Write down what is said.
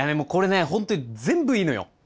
本当に全部いいのよ！